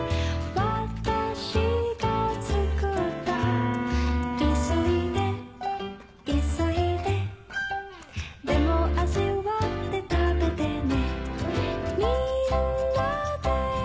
わたしが作ったいそいでいそいででも味わって食べてね